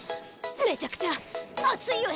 めちゃくちゃ暑いゆえ！